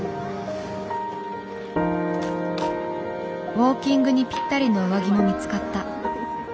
ウォーキングにぴったりの上着も見つかった。